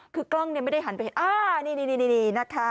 คือกล้องไม่ได้หันไปเห็นนี่นะคะ